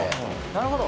「なるほど」